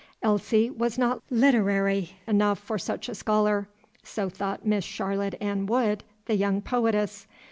Elsie was not literary enough for such a scholar: so thought Miss Charlotte Ann Wood, the young poetess.